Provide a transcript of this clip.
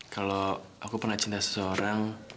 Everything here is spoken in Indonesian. kalau aku pernah cinta seseorang